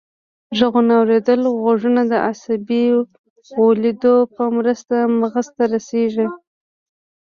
غوږونه اوریدلي غږونه د عصبي ولیو په مرسته مغزو ته وړي